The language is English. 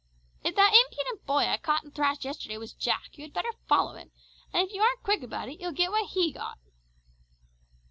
"If that impudent boy I caught and thrashed yesterday was Jack, you had better follow him, and if you aren't quick about it you'll get what he got!"